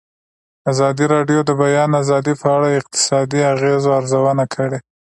ازادي راډیو د د بیان آزادي په اړه د اقتصادي اغېزو ارزونه کړې.